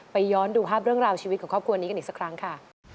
ย้อนดูภาพเรื่องราวชีวิตของครอบครัวนี้กันอีกสักครั้งค่ะ